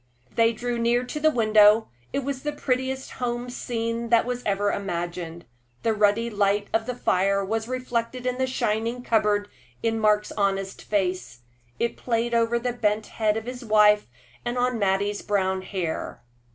They drew near to the window. It was the prettiest home scene that was ever imagined. The ruddy light of the fire was reflected in the shining cupboard, in Mark's honest face it played over the bent head of his wife, and on Mattie's brown hair.